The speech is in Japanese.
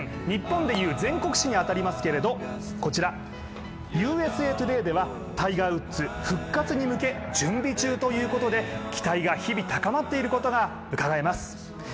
日本でいう全国紙に当たりますがこちら、「ＵＳＡＴＯＤＡＹ」ではタイガー・ウッズ、復活に向け準備中ということで、期待が日々、高まっていることが伺えます。